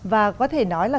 và có thể nói là